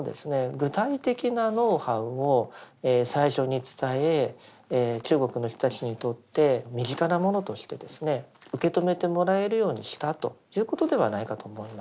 具体的なノウハウを最初に伝え中国の人たちにとって身近なものとしてですね受け止めてもらえるようにしたということではないかと思います。